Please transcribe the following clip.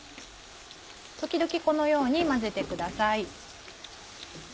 時々このように混ぜてください。